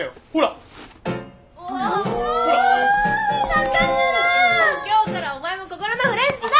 中村今日からお前も心のフレンズだ！